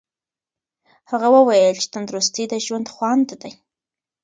هغه وویل چې تندرستي د ژوند خوند دی.